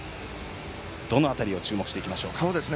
どの辺りを注目していきましょうか。